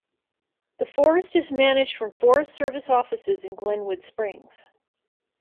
The forest is managed from Forest Service offices in Glenwood Springs.